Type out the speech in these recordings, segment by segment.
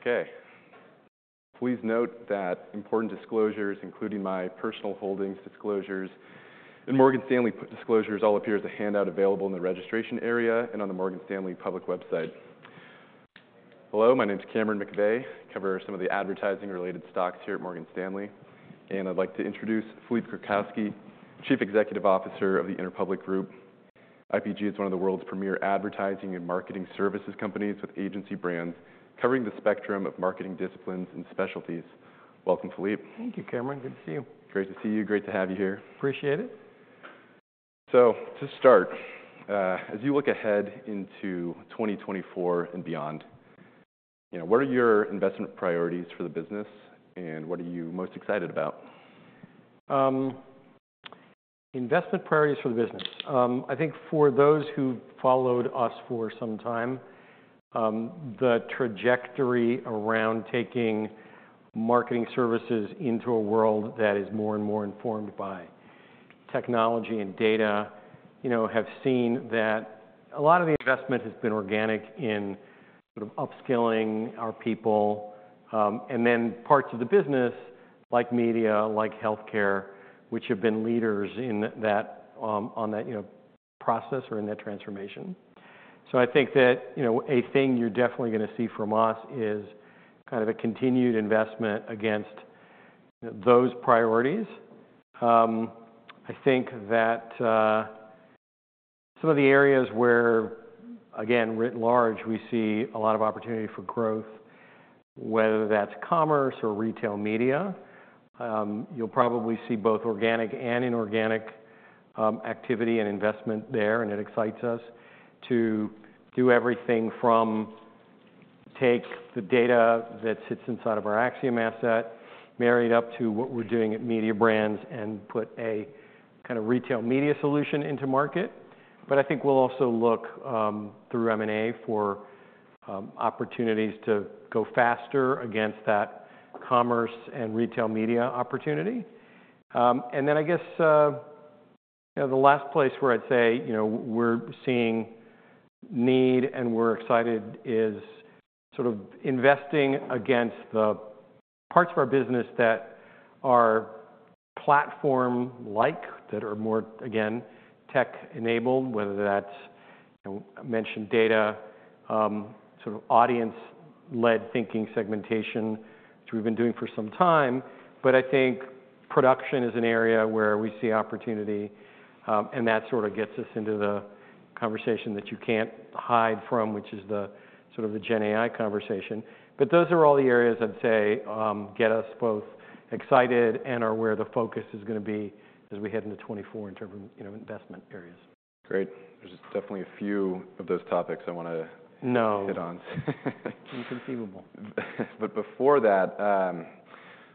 Okay. Please note that important disclosures, including my personal holdings disclosures and Morgan Stanley disclosures, all appear as a handout available in the registration area and on the Morgan Stanley public website. Hello, my name is Cameron McVeigh. I cover some of the advertising-related stocks here at Morgan Stanley. I'd like to introduce Philippe Krakowsky, Chief Executive Officer of the Interpublic Group. IPG is one of the world's premier advertising and marketing services companies with agency brands covering the spectrum of marketing disciplines and specialties. Welcome, Philippe. Thank you, Cameron. Good to see you. Great to see you. Great to have you here. Appreciate it. To start, as you look ahead into 2024 and beyond, what are your investment priorities for the business, and what are you most excited about? Investment priorities for the business. I think for those who've followed us for some time, the trajectory around taking marketing services into a world that is more and more informed by technology and data have seen that a lot of the investment has been organic in sort of upskilling our people and then parts of the business, like media, like healthcare, which have been leaders on that process or in that transformation. So I think that a thing you're definitely going to see from us is kind of a continued investment against those priorities. I think that some of the areas where, again, writ large, we see a lot of opportunity for growth, whether that's commerce or retail media, you'll probably see both organic and inorganic activity and investment there. It excites us to do everything from take the data that sits inside of our Acxiom asset married up to what we're doing at Mediabrands and put a kind of retail media solution into market. But I think we'll also look through M&A for opportunities to go faster against that commerce and retail media opportunity. Then I guess the last place where I'd say we're seeing need and we're excited is sort of investing against the parts of our business that are platform-like, that are more, again, tech-enabled, whether that's mentioned data, sort of audience-led thinking segmentation, which we've been doing for some time. But I think production is an area where we see opportunity, and that sort of gets us into the conversation that you can't hide from, which is sort of the GenAI conversation. But those are all the areas I'd say get us both excited and are where the focus is going to be as we head into 2024 in terms of investment areas. Great. There's definitely a few of those topics I want to hit on. No. Unconceivable. Before that,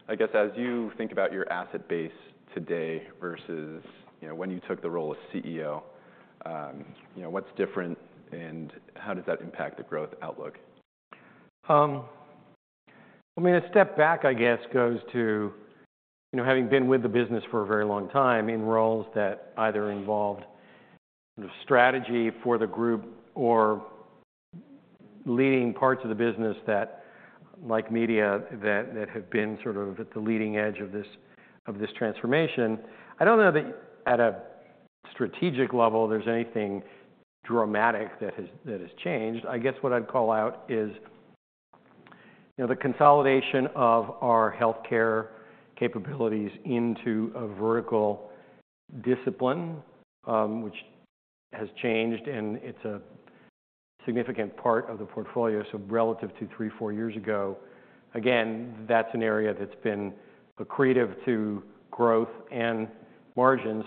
I guess as you think about your asset base today versus when you took the role of CEO, what's different, and how does that impact the growth outlook? I mean, a step back, I guess, goes to having been with the business for a very long time in roles that either involved sort of strategy for the group or leading parts of the business that, like media, have been sort of at the leading edge of this transformation. I don't know that at a strategic level there's anything dramatic that has changed. I guess what I'd call out is the consolidation of our healthcare capabilities into a vertical discipline, which has changed, and it's a significant part of the portfolio. So relative to three-four years ago, again, that's an area that's been accretive to growth and margins,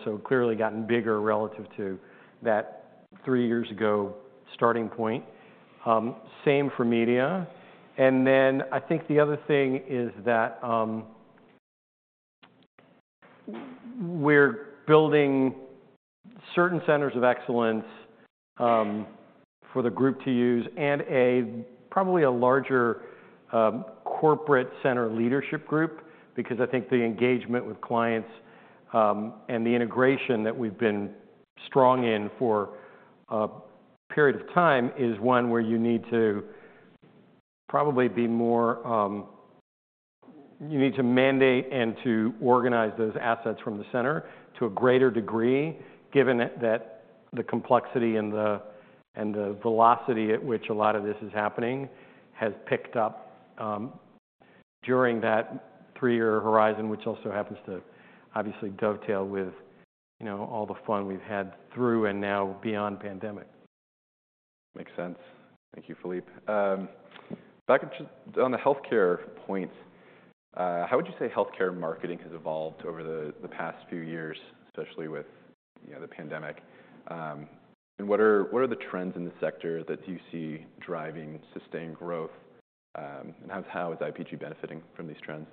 so clearly gotten bigger relative to that three years ago starting point. Same for media. And then I think the other thing is that we're building certain centers of excellence for the group to use and probably a larger corporate center leadership group because I think the engagement with clients and the integration that we've been strong in for a period of time is one where you need to mandate and to organize those assets from the center to a greater degree, given that the complexity and the velocity at which a lot of this is happening has picked up during that three-year horizon, which also happens to obviously dovetail with all the fun we've had through and now beyond pandemic. Makes sense. Thank you, Philippe. Back on the healthcare point, how would you say healthcare marketing has evolved over the past few years, especially with the pandemic? And what are the trends in the sector that you see driving sustained growth, and how is IPG benefiting from these trends?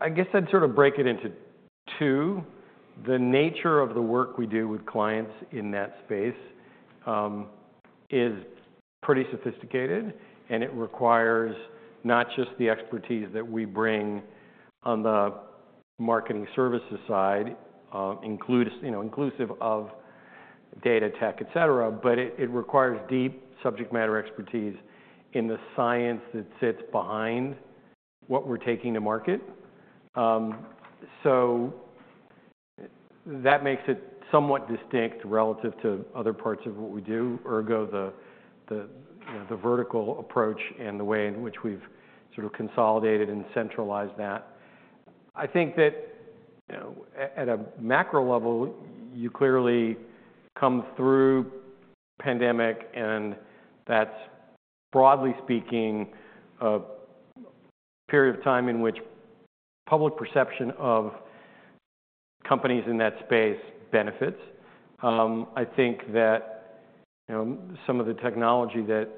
I guess I'd sort of break it into two. The nature of the work we do with clients in that space is pretty sophisticated, and it requires not just the expertise that we bring on the marketing services side, inclusive of data, tech, et cetera, but it requires deep subject matter expertise in the science that sits behind what we're taking to market. So that makes it somewhat distinct relative to other parts of what we do, ergo the vertical approach and the way in which we've sort of consolidated and centralized that. I think that at a macro level, you clearly come through pandemic, and that's, broadly speaking, a period of time in which public perception of companies in that space benefits. I think that some of the technology that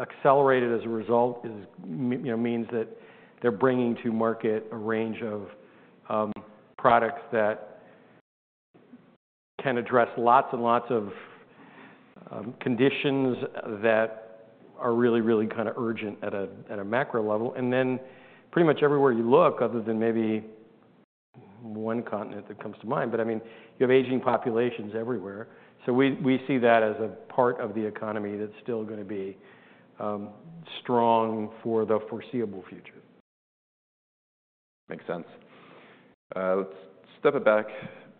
accelerated as a result means that they're bringing to market a range of products that can address lots and lots of conditions that are really, really kind of urgent at a macro level. And then pretty much everywhere you look, other than maybe one continent that comes to mind, but I mean, you have aging populations everywhere. So we see that as a part of the economy that's still going to be strong for the foreseeable future. Makes sense. Let's step a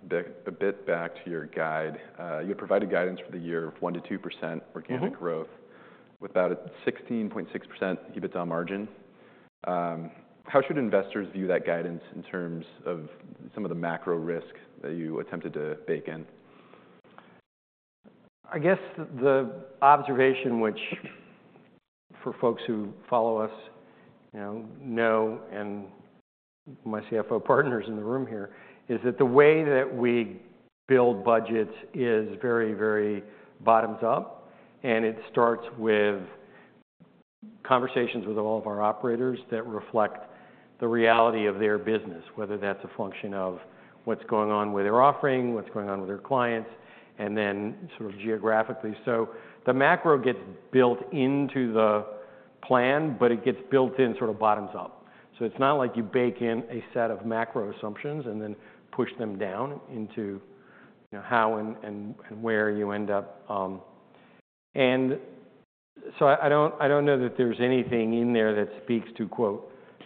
bit back to your guide. You had provided guidance for the year of 1%-2% organic growth with about a 16.6% EBITDA margin. How should investors view that guidance in terms of some of the macro risk that you attempted to bake in? I guess the observation, which for folks who follow us know and my CFO partners in the room here, is that the way that we build budgets is very, very bottoms up. And it starts with conversations with all of our operators that reflect the reality of their business, whether that's a function of what's going on with their offering, what's going on with their clients, and then sort of geographically. So the macro gets built into the plan, but it gets built in sort of bottoms up. So it's not like you bake in a set of macro assumptions and then push them down into how and where you end up. And so I don't know that there's anything in there that speaks to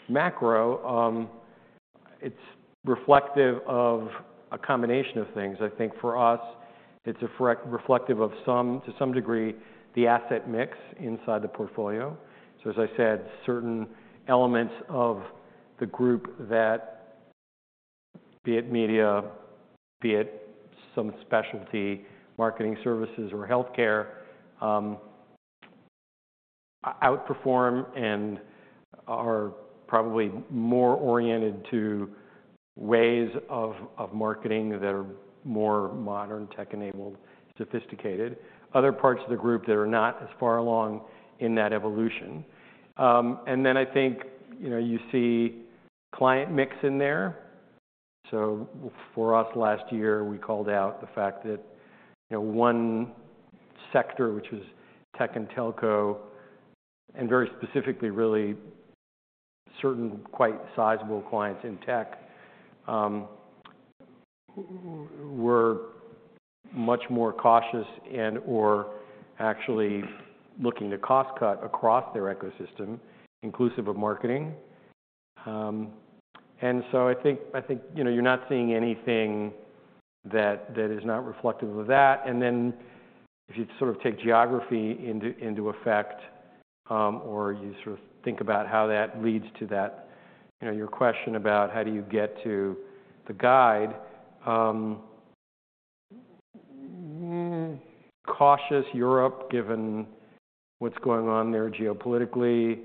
"macro." It's reflective of a combination of things. I think for us, it's reflective of some, to some degree, the asset mix inside the portfolio. So as I said, certain elements of the group that, be it media, be it some specialty, marketing services, or healthcare, outperform and are probably more oriented to ways of marketing that are more modern, tech-enabled, sophisticated. Other parts of the group that are not as far along in that evolution. And then I think you see client mix in there. So for us, last year, we called out the fact that one sector, which was tech and telco, and very specifically really certain quite sizable clients in tech, were much more cautious and/or actually looking to cost cut across their ecosystem, inclusive of marketing. And so I think you're not seeing anything that is not reflective of that. And then if you sort of take geography into effect or you sort of think about how that leads to your question about how do you get to the guide, cautious Europe, given what's going on there geopolitically,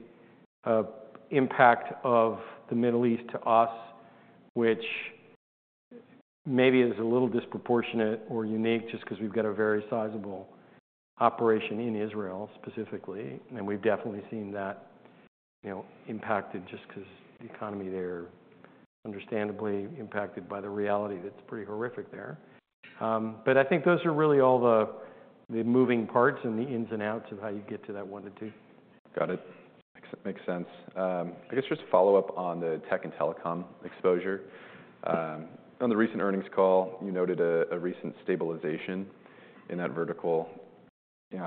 impact of the Middle East to us, which maybe is a little disproportionate or unique just because we've got a very sizable operation in Israel specifically. We've definitely seen that impacted just because the economy there understandably impacted by the reality that's pretty horrific there. I think those are really all the moving parts and the ins and outs of how you get to that 1%-2%. Got it. Makes sense. I guess just to follow up on the tech and telecom exposure, on the recent earnings call, you noted a recent stabilization in that vertical.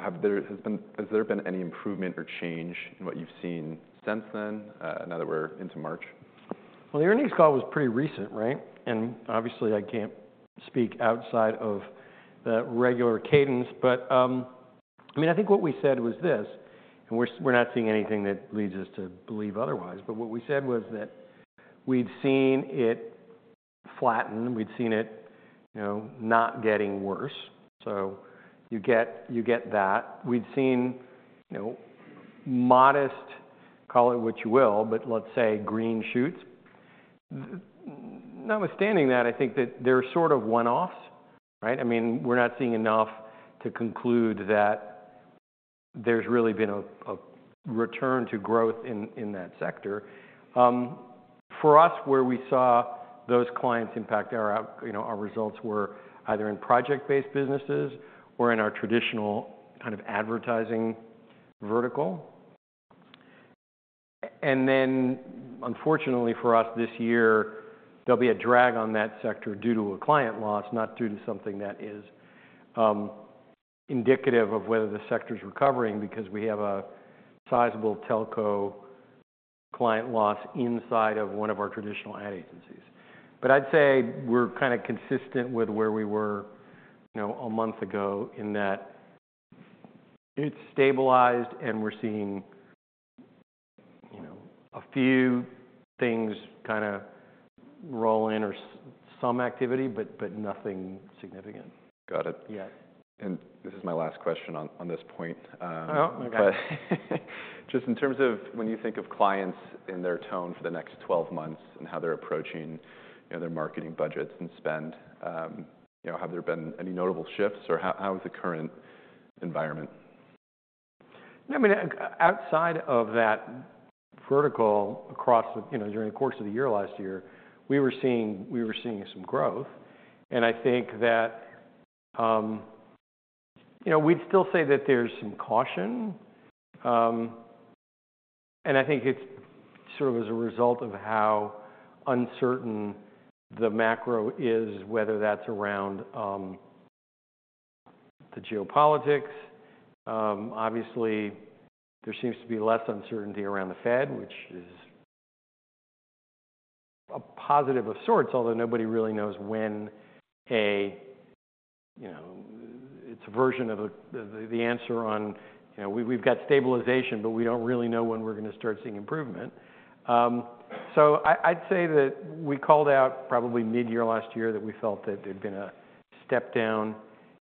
Has there been any improvement or change in what you've seen since then, now that we're into March? Well, the earnings call was pretty recent, right? And obviously, I can't speak outside of that regular cadence. But I mean, I think what we said was this, and we're not seeing anything that leads us to believe otherwise. But what we said was that we'd seen it flatten. We'd seen it not getting worse. So you get that. We'd seen modest, call it what you will, but let's say green shoots. Notwithstanding that, I think that there are sort of one-offs, right? I mean, we're not seeing enough to conclude that there's really been a return to growth in that sector. For us, where we saw those clients impact our results were either in project-based businesses or in our traditional kind of advertising vertical. And then unfortunately for us this year, there'll be a drag on that sector due to a client loss, not due to something that is indicative of whether the sector's recovering because we have a sizable telco client loss inside of one of our traditional ad agencies. But I'd say we're kind of consistent with where we were a month ago in that it's stabilized, and we're seeing a few things kind of roll in or some activity, but nothing significant. Got it. This is my last question on this point. Oh, my gosh! But just in terms of when you think of clients in their tone for the next 12 months and how they're approaching their marketing budgets and spend, have there been any notable shifts, or how is the current environment? I mean, outside of that vertical across during the course of the year last year, we were seeing some growth. And I think that we'd still say that there's some caution. And I think it's sort of as a result of how uncertain the macro is, whether that's around the geopolitics. Obviously, there seems to be less uncertainty around the Fed, which is a positive of sorts, although nobody really knows when a it's a version of the answer on we've got stabilization, but we don't really know when we're going to start seeing improvement. So I'd say that we called out probably mid-year last year that we felt that there'd been a step down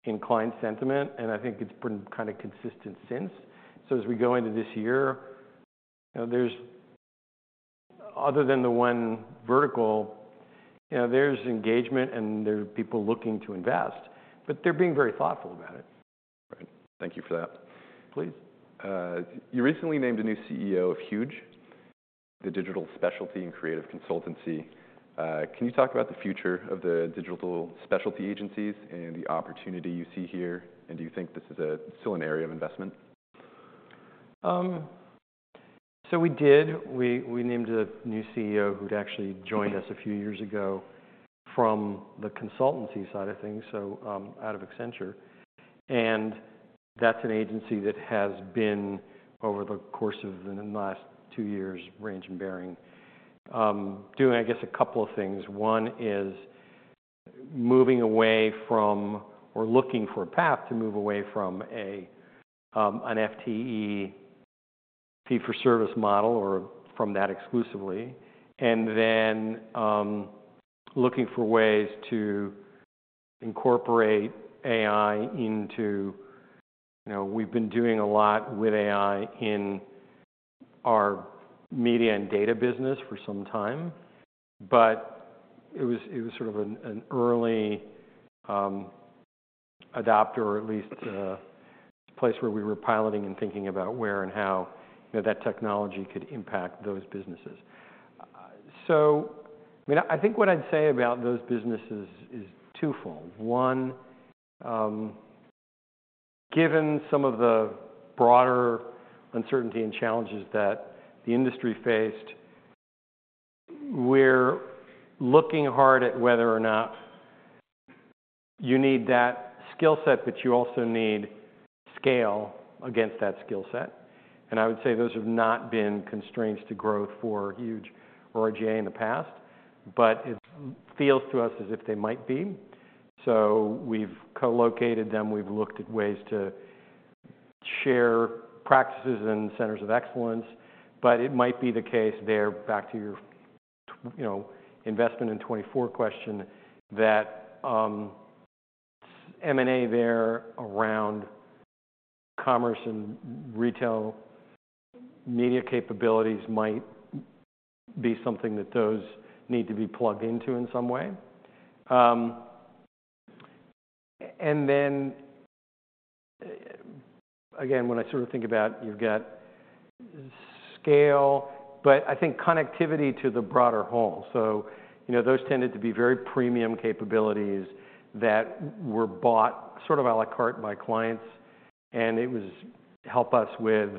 in client sentiment, and I think it's been kind of consistent since. So as we go into this year, other than the one vertical, there's engagement, and there are people looking to invest. But they're being very thoughtful about it. Right. Thank you for that. Please. You recently named a new CEO of Huge, the digital specialty and creative consultancy. Can you talk about the future of the digital specialty agencies and the opportunity you see here? And do you think this is still an area of investment? So we did. We named a new CEO who'd actually joined us a few years ago from the consultancy side of things, so out of Accenture. And that's an agency that has been, over the course of the last two years, range and bearing, doing, I guess, a couple of things. One is moving away from or looking for a path to move away from an FTE fee-for-service model or from that exclusively, and then looking for ways to incorporate AI into. We've been doing a lot with AI in our media and data business for some time. But it was sort of an early adopter, or at least a place where we were piloting and thinking about where and how that technology could impact those businesses. So I mean, I think what I'd say about those businesses is twofold. One, given some of the broader uncertainty and challenges that the industry faced, we're looking hard at whether or not you need that skill set, but you also need scale against that skill set. And I would say those have not been constraints to growth for Huge or R/GA in the past. But it feels to us as if they might be. So we've co-located them. We've looked at ways to share practices and centers of excellence. But it might be the case there, back to your investment in 2024 question, that M&A there around commerce and retail media capabilities might be something that those need to be plugged into in some way. And then again, when I sort of think about, you've got scale, but I think connectivity to the broader whole. So those tended to be very premium capabilities that were bought sort of à la carte by clients. And it was help us with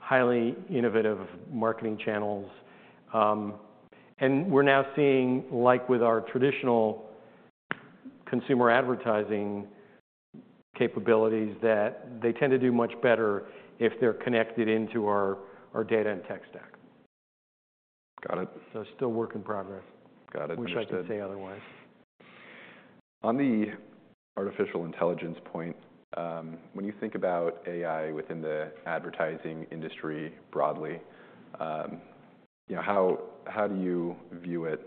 highly innovative marketing channels. And we're now seeing, like with our traditional consumer advertising capabilities, that they tend to do much better if they're connected into our data and tech stack. Got it. So still work in progress, which I should say otherwise. On the artificial intelligence point, when you think about AI within the advertising industry broadly, how do you view it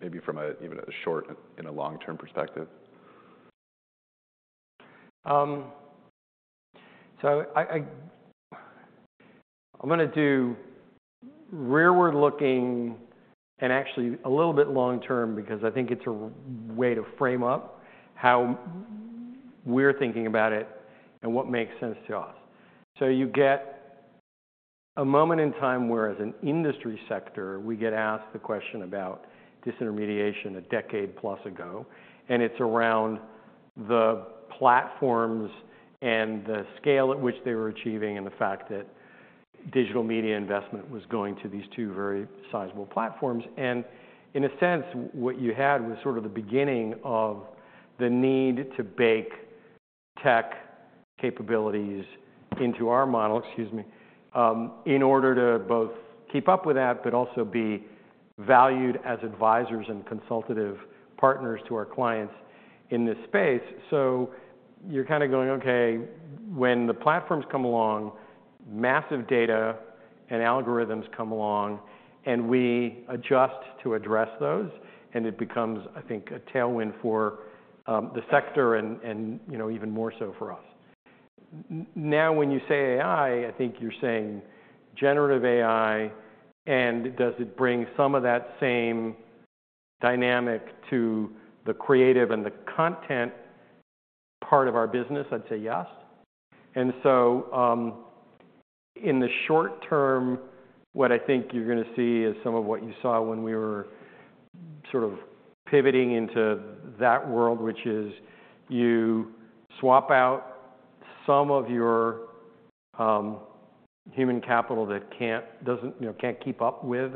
maybe from even a short in a long-term perspective? So I'm going to do rearward-looking and actually a little bit long-term because I think it's a way to frame up how we're thinking about it and what makes sense to us. You get a moment in time where, as an industry sector, we get asked the question about disintermediation a decade plus ago. It's around the platforms and the scale at which they were achieving and the fact that digital media investment was going to these two very sizable platforms. In a sense, what you had was sort of the beginning of the need to bake tech capabilities into our model, excuse me, in order to both keep up with that but also be valued as advisors and consultative partners to our clients in this space. So you're kind of going, OK, when the platforms come along, massive data and algorithms come along, and we adjust to address those. And it becomes, I think, a tailwind for the sector and even more so for us. Now, when you say AI, I think you're saying generative AI. And does it bring some of that same dynamic to the creative and the content part of our business? I'd say yes. And so in the short term, what I think you're going to see is some of what you saw when we were sort of pivoting into that world, which is you swap out some of your human capital that can't keep up with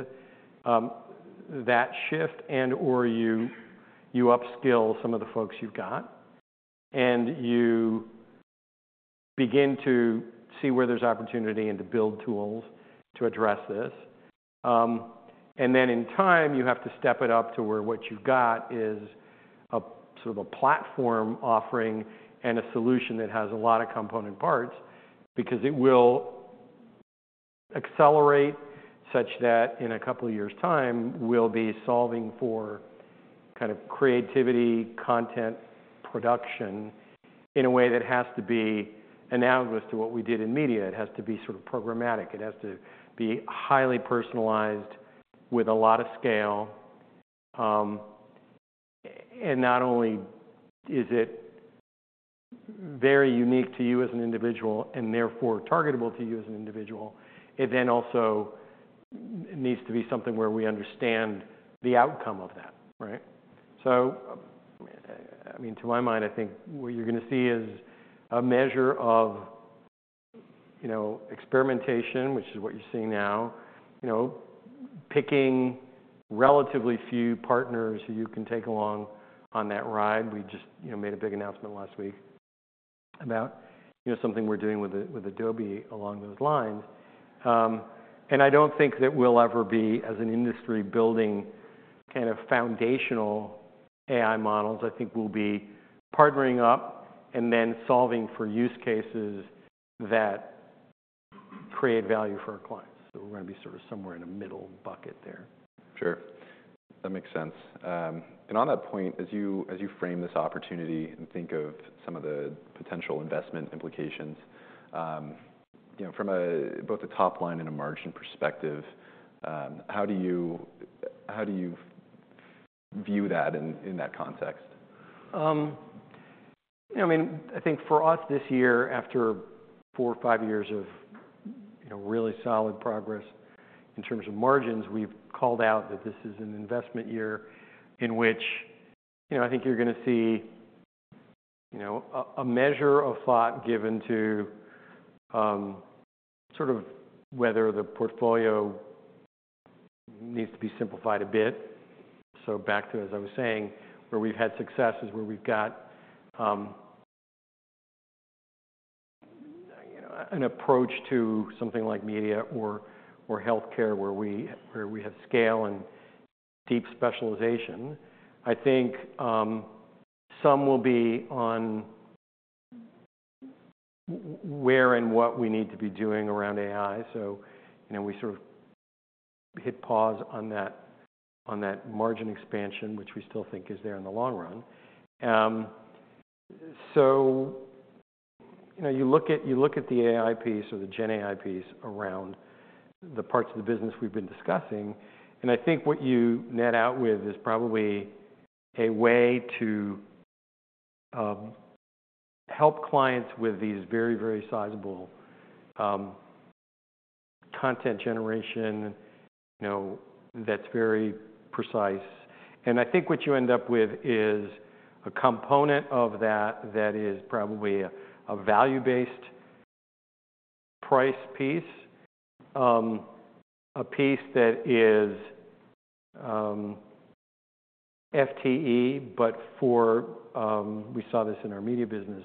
that shift, and/or you upskill some of the folks you've got. And you begin to see where there's opportunity and to build tools to address this. And then in time, you have to step it up to where what you've got is sort of a platform offering and a solution that has a lot of component parts because it will accelerate such that, in a couple of years' time, we'll be solving for kind of creativity, content production in a way that has to be analogous to what we did in media. It has to be sort of programmatic. It has to be highly personalized with a lot of scale. And not only is it very unique to you as an individual and therefore targetable to you as an individual, it then also needs to be something where we understand the outcome of that, right? So I mean, to my mind, I think what you're going to see is a measure of experimentation, which is what you're seeing now, picking relatively few partners who you can take along on that ride. We just made a big announcement last week about something we're doing with Adobe along those lines. And I don't think that we'll ever be, as an industry building kind of foundational AI models, I think we'll be partnering up and then solving for use cases that create value for our clients. So we're going to be sort of somewhere in a middle bucket there. Sure. That makes sense. And on that point, as you frame this opportunity and think of some of the potential investment implications, from both a top line and a margin perspective, how do you view that in that context? I mean, I think for us this year, after four or five years of really solid progress in terms of margins, we've called out that this is an investment year in which I think you're going to see a measure of thought given to sort of whether the portfolio needs to be simplified a bit. So back to, as I was saying, where we've had success is where we've got an approach to something like media or health care where we have scale and deep specialization. I think some will be on where and what we need to be doing around AI. So we sort of hit pause on that margin expansion, which we still think is there in the long run. So you look at the AI piece or the GenAI piece around the parts of the business we've been discussing. I think what you net out with is probably a way to help clients with these very, very sizable content generation that's very precise. I think what you end up with is a component of that that is probably a value-based price piece, a piece that is FTE, but we saw this in our media business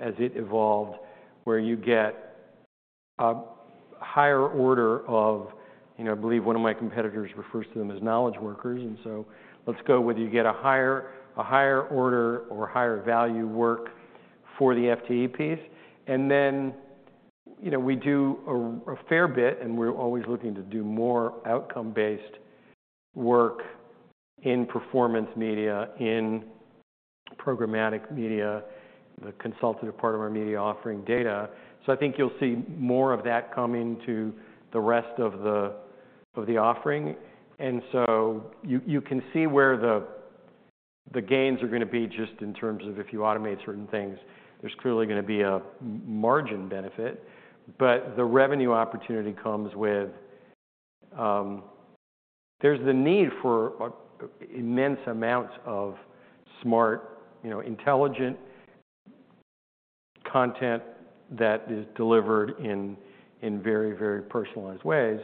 as it evolved, where you get a higher order of—I believe one of my competitors refers to them as knowledge workers. So let's go with you get a higher order or higher value work for the FTE piece. Then we do a fair bit, and we're always looking to do more outcome-based work in performance media, in programmatic media, the consultative part of our media offering data. So I think you'll see more of that coming to the rest of the offering. You can see where the gains are going to be just in terms of if you automate certain things. There's clearly going to be a margin benefit. The revenue opportunity comes with, there's the need for immense amounts of smart, intelligent content that is delivered in very, very personalized ways.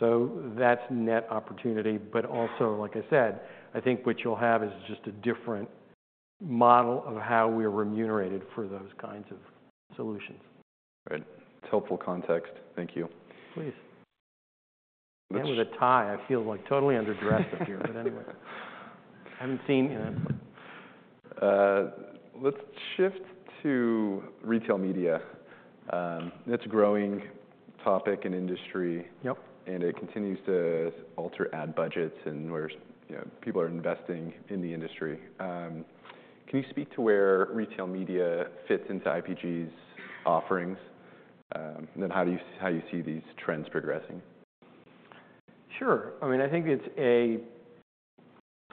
That's net opportunity. Also, like I said, I think what you'll have is just a different model of how we are remunerated for those kinds of solutions. Right. It's helpful context. Thank you. Please. And with a tie, I feel like totally underdressed up here. But anyway, I haven't seen it. Let's shift to retail media. It's a growing topic and industry. It continues to alter ad budgets and where people are investing in the industry. Can you speak to where retail media fits into IPG's offerings? Then how do you see these trends progressing? Sure. I mean, I think it's,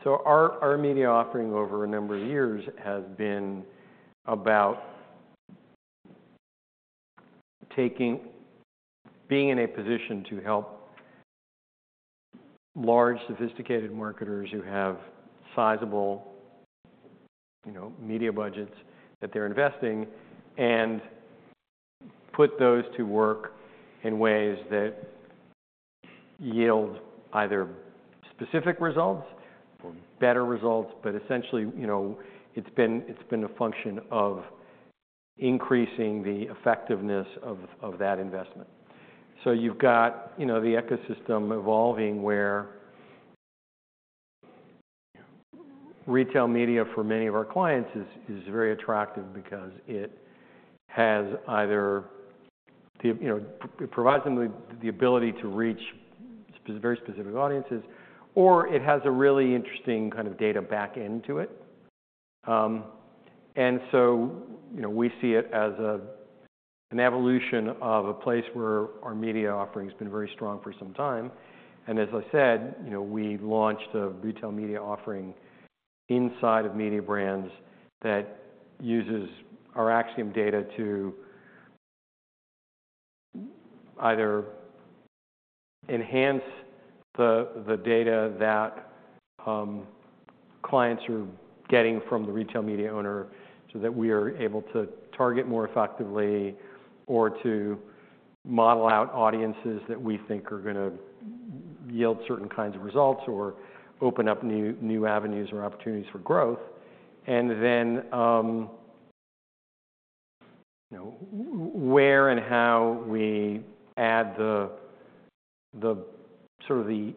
so our media offering over a number of years has been about being in a position to help large, sophisticated marketers who have sizable media budgets that they're investing, and put those to work in ways that yield either specific results or better results. But essentially, it's been a function of increasing the effectiveness of that investment. So you've got the ecosystem evolving where retail media, for many of our clients, is very attractive because it has either it provides them the ability to reach very specific audiences, or it has a really interesting kind of data back into it. And so we see it as an evolution of a place where our media offering has been very strong for some time. And as I said, we launched a retail media offering inside of IPG Mediabrands that uses our Acxiom data to either enhance the data that clients are getting from the retail media owner so that we are able to target more effectively or to model out audiences that we think are going to yield certain kinds of results or open up new avenues or opportunities for growth. And then where and how we add sort of the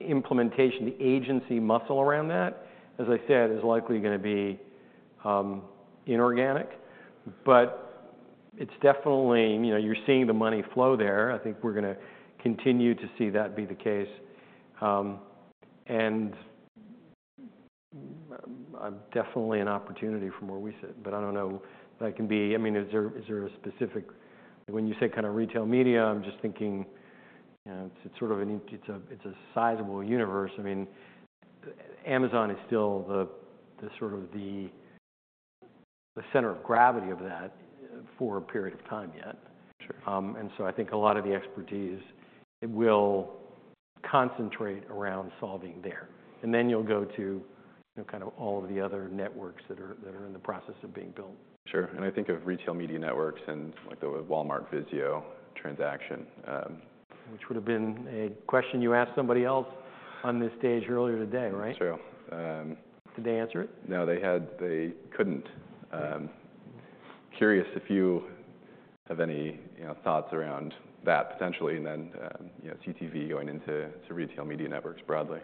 implementation, the agency muscle around that, as I said, is likely going to be inorganic. But it's definitely you're seeing the money flow there. I think we're going to continue to see that be the case. And I'm definitely an opportunity from where we sit. But I don't know. That can be. I mean, is there a specific when you say kind of Retail Media? I'm just thinking it's sort of a sizable universe. I mean, Amazon is still sort of the center of gravity of that for a period of time yet. And so I think a lot of the expertise will concentrate around solving there. And then you'll go to kind of all of the other networks that are in the process of being built. Sure. And I think of retail media networks and the Walmart VIZIO transaction. Which would have been a question you asked somebody else on this stage earlier today, right? Sure. Did they answer it? No, they couldn't. Curious if you have any thoughts around that potentially and then CTV going into retail media networks broadly.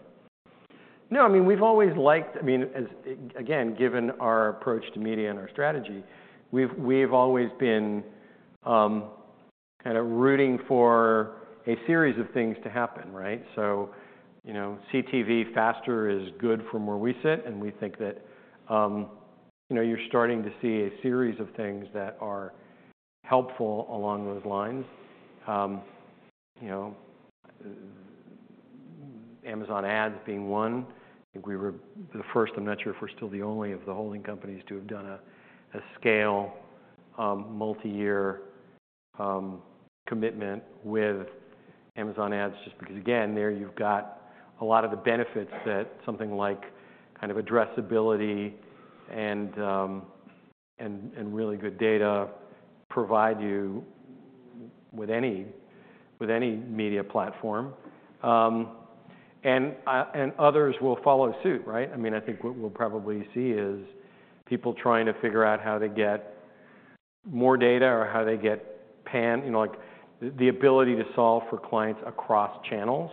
No. I mean, we've always liked. I mean, again, given our approach to media and our strategy, we've always been kind of rooting for a series of things to happen, right? So CTV faster is good for where we sit. And we think that you're starting to see a series of things that are helpful along those lines, Amazon Ads being one. I think we were the first. I'm not sure if we're still the only of the holding companies to have done a scale, multi-year commitment with Amazon Ads just because, again, there you've got a lot of the benefits that something like kind of addressability and really good data provide you with any media platform. And others will follow suit, right? I mean, I think what we'll probably see is people trying to figure out how they get more data or how they gain the ability to solve for clients across channels.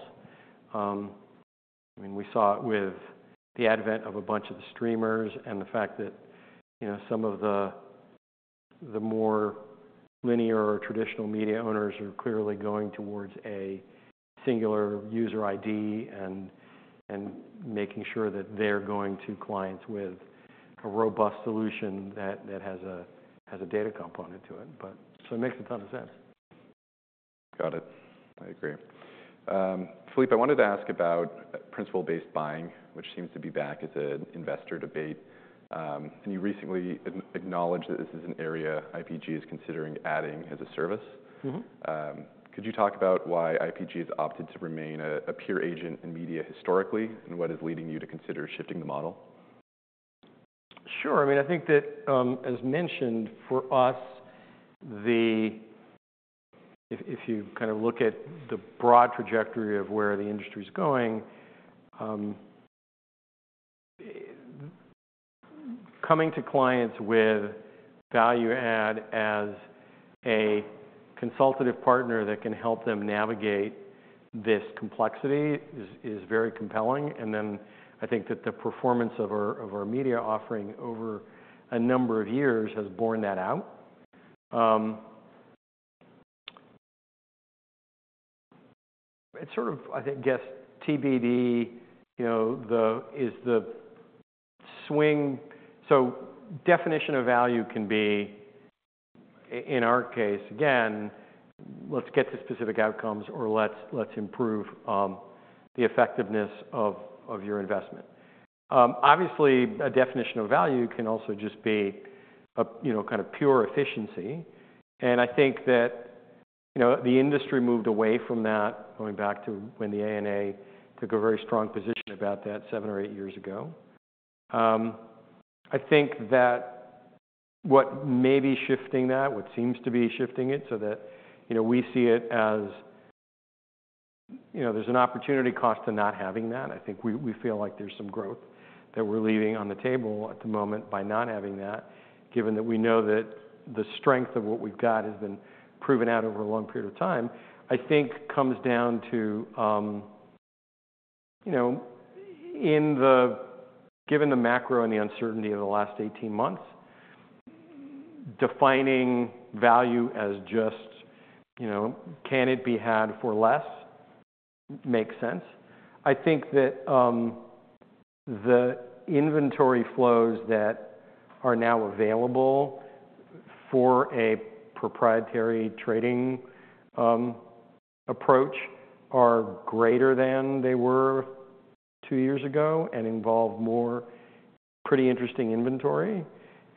I mean, we saw it with the advent of a bunch of the streamers and the fact that some of the more linear or traditional media owners are clearly going towards a singular user ID and making sure that they're going to clients with a robust solution that has a data component to it. So it makes a ton of sense. Got it. I agree. Philippe, I wanted to ask about principal-based buying, which seems to be back as an investor debate. You recently acknowledged that this is an area IPG is considering adding as a service. Could you talk about why IPG has opted to remain a pure agent in media historically and what is leading you to consider shifting the model? Sure. I mean, I think that, as mentioned, for us, if you kind of look at the broad trajectory of where the industry is going, coming to clients with value add as a consultative partner that can help them navigate this complexity is very compelling. And then I think that the performance of our media offering over a number of years has borne that out. It's sort of, I think, guess TBD is the swing. So definition of value can be, in our case, again, let's get to specific outcomes, or let's improve the effectiveness of your investment. Obviously, a definition of value can also just be kind of pure efficiency. And I think that the industry moved away from that, going back to when the ANA took a very strong position about that seven or eight years ago. I think that what may be shifting that, what seems to be shifting it so that we see it as there's an opportunity cost to not having that. I think we feel like there's some growth that we're leaving on the table at the moment by not having that, given that we know that the strength of what we've got has been proven out over a long period of time. I think comes down to, given the macro and the uncertainty of the last 18 months, defining value as just can it be had for less makes sense. I think that the inventory flows that are now available for a proprietary trading approach are greater than they were two years ago and involve more pretty interesting inventory.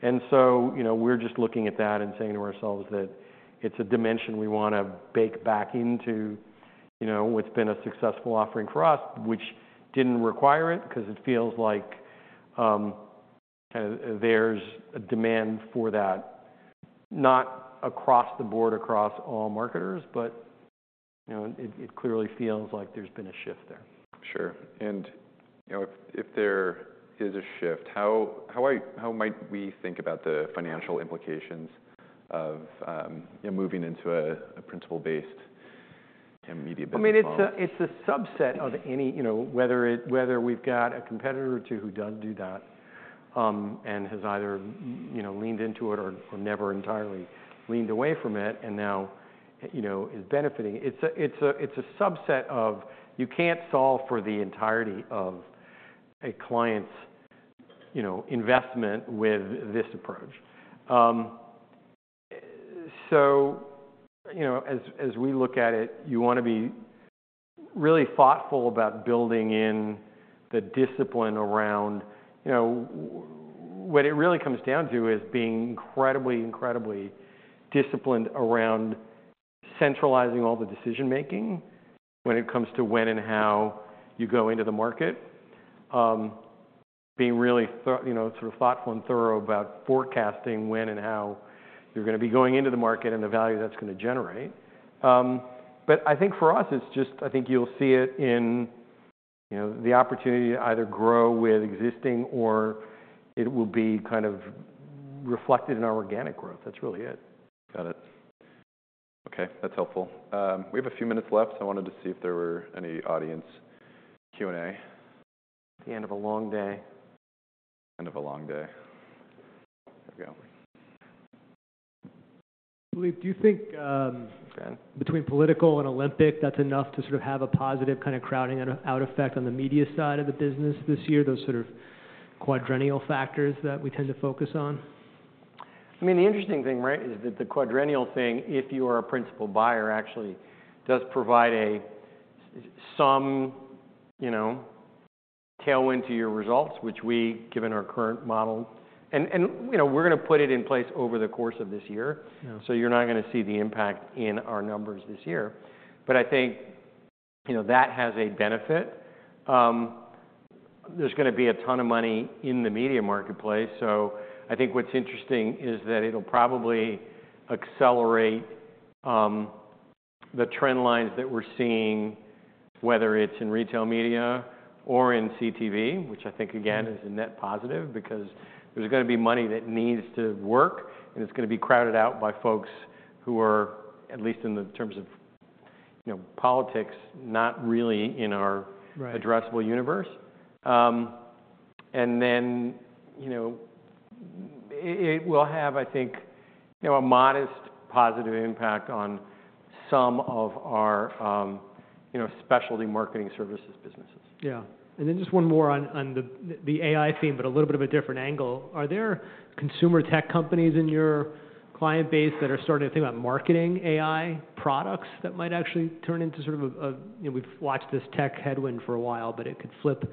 And so we're just looking at that and saying to ourselves that it's a dimension we want to bake back into what's been a successful offering for us, which didn't require it because it feels like kind of there's a demand for that, not across the board, across all marketers. But it clearly feels like there's been a shift there. Sure. And if there is a shift, how might we think about the financial implications of moving into a principal-based media business model? I mean, it's a subset of any, whether we've got a competitor or two who does do that and has either leaned into it or never entirely leaned away from it and now is benefiting. It's a subset of you can't solve for the entirety of a client's investment with this approach. So as we look at it, you want to be really thoughtful about building in the discipline around what it really comes down to is being incredibly, incredibly disciplined around centralizing all the decision-making when it comes to when and how you go into the market, being really sort of thoughtful and thorough about forecasting when and how you're going to be going into the market and the value that's going to generate. But I think for us, it's just I think you'll see it in the opportunity to either grow with existing, or it will be kind of reflected in our organic growth. That's really it. Got it. OK. That's helpful. We have a few minutes left. I wanted to see if there were any audience Q&A. At the end of a long day. End of a long day. There we go. Philippe, do you think between political and Olympic, that's enough to sort of have a positive kind of crowding out effect on the media side of the business this year, those sort of quadrennial factors that we tend to focus on? I mean, the interesting thing, right, is that the quadrennial thing, if you are a principal buyer, actually does provide some tailwind to your results, which we, given our current model and we're going to put it in place over the course of this year. So you're not going to see the impact in our numbers this year. But I think that has a benefit. There's going to be a ton of money in the media marketplace. So I think what's interesting is that it'll probably accelerate the trend lines that we're seeing, whether it's in retail media or in CTV, which I think, again, is a net positive because there's going to be money that needs to work. And it's going to be crowded out by folks who are, at least in terms of politics, not really in our addressable universe. It will have, I think, a modest positive impact on some of our specialty marketing services businesses. Yeah. And then just one more on the AI theme, but a little bit of a different angle. Are there consumer tech companies in your client base that are starting to think about marketing AI products that might actually turn into sort of a we've watched this tech headwind for a while, but it could flip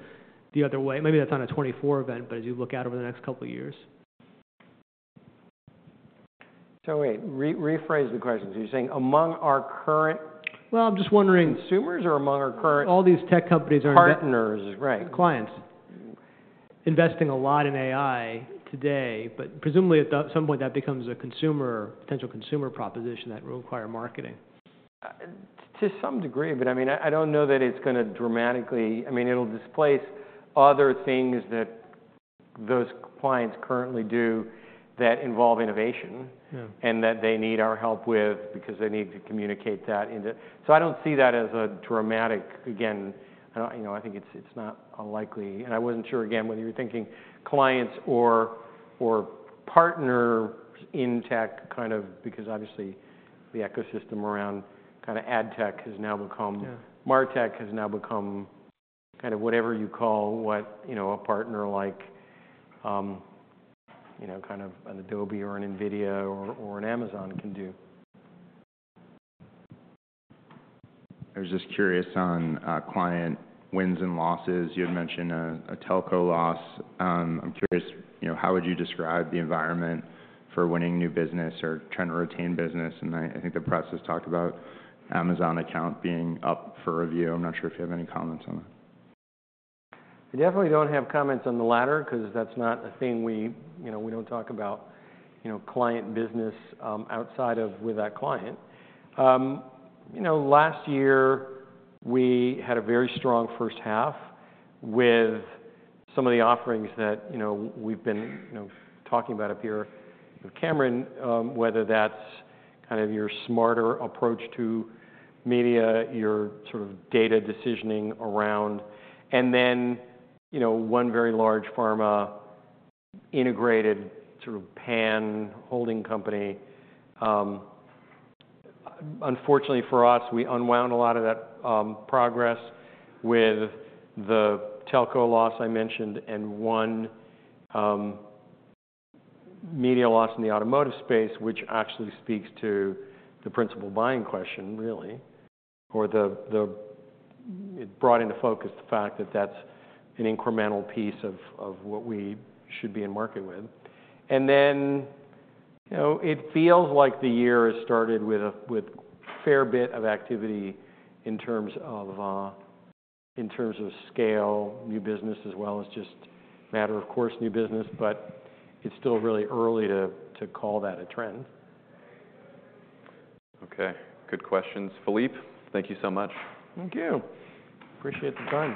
the other way. Maybe that's on a 2024 event, but as you look out over the next couple of years. Wait. Rephrase the question. You're saying among our current. Well, I'm just wondering. Consumers or among our current. All these tech companies aren't. Partners, right. Clients investing a lot in AI today. But presumably, at some point, that becomes a potential consumer proposition that will require marketing. To some degree. But I mean, I don't know that it's going to dramatically. I mean, it'll displace other things that those clients currently do that involve innovation and that they need our help with because they need to communicate that into. So I don't see that as a dramatic. Again, I think it's not a likely and I wasn't sure, again, whether you're thinking clients or partners in tech kind of because, obviously, the ecosystem around kind of ad tech has now become MarTech has now become kind of whatever you call what a partner like kind of an Adobe or an NVIDIA or an Amazon can do. I was just curious on client wins and losses. You had mentioned a telco loss. I'm curious, how would you describe the environment for winning new business or trying to retain business? And I think the press has talked about Amazon account being up for review. I'm not sure if you have any comments on that. I definitely don't have comments on the latter because that's not a thing we don't talk about client business outside of with that client. Last year, we had a very strong first half with some of the offerings that we've been talking about up here. Cameron, whether that's kind of your smarter approach to media, your sort of data decisioning around and then one very large pharma integrated sort of pan holding company. Unfortunately for us, we unwound a lot of that progress with the telco loss I mentioned and one media loss in the automotive space, which actually speaks to the principal buying question, really, or it brought into focus the fact that that's an incremental piece of what we should be in market with. Then it feels like the year has started with a fair bit of activity in terms of scale, new business, as well as just matter of course, new business. But it's still really early to call that a trend. OK. Good questions. Philippe, thank you so much. Thank you. Appreciate the time.